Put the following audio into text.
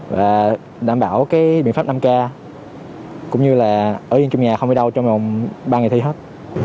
và đảm bảo cái biện pháp năm k cũng như là ở yên trong nhà không ở đâu trong vòng ba ngày thi hết